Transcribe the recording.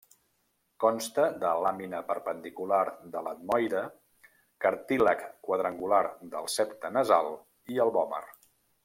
Consta de làmina perpendicular de l'etmoide, cartílag quadrangular del septe nasal, i el vòmer.